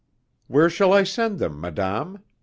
"Where shall I send them, madame?"